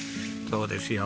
そうですよ